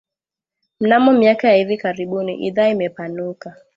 Mnamo miaka ya hivi karibuni idhaa imepanuka